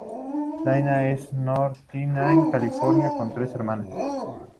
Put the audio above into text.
Lynn es de Northridge, California, con tres hermanas y al menos un hermano.